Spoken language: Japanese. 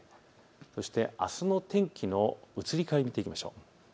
そしてあすの天気の移り変わりを見ていきましょう。